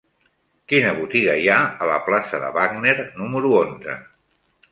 Quina botiga hi ha a la plaça de Wagner número onze?